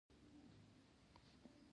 معرفت سره اړخ لګاوه.